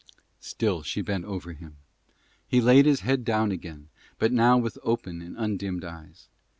Still she bent over him. He laid his head down again, but now with open and undimmed eyes.